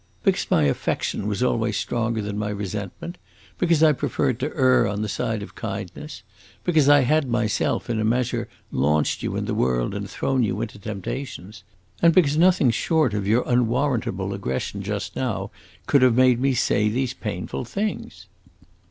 "Because my affection was always stronger than my resentment; because I preferred to err on the side of kindness; because I had, myself, in a measure, launched you in the world and thrown you into temptations; and because nothing short of your unwarrantable aggression just now could have made me say these painful things."